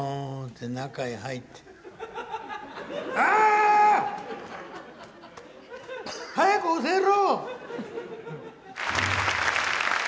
「あ！早く教えろ！」。